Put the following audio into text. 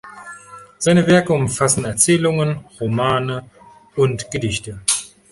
Seine Werke umfassen Erzählungen, Romane und Gedichte.